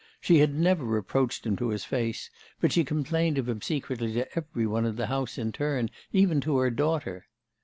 She had never reproached him to his face, but she complained of him secretly to every one in the house in turn, even to her daughter.